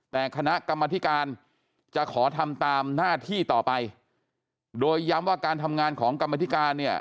แต่คณะกรรมธิการจะขอทำตามหน้าที่ต่อไปโดยย้ำว่าการทำงานของกรรมธิการเนี่ย